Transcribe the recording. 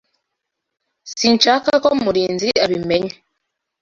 Sinshaka ko Murinzi abimenya.